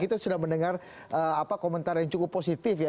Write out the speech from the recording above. kita sudah mendengar komentar yang cukup positif ya